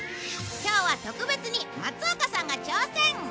今日は特別に松岡さんが挑戦！